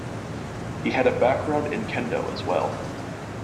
He had a background in kendo as well.